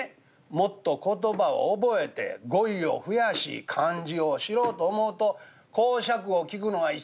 もっと言葉を覚えて語彙を増やし漢字を知ろうと思うと講釈を聞くのが一番ええ。